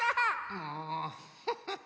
もうフフフ！